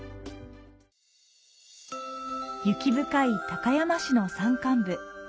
雪深い高山市の山間部。